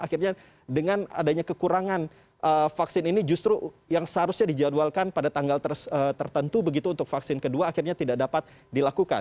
akhirnya dengan adanya kekurangan vaksin ini justru yang seharusnya dijadwalkan pada tanggal tertentu begitu untuk vaksin kedua akhirnya tidak dapat dilakukan